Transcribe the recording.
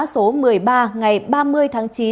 số một mươi ba ngày ba mươi tháng chín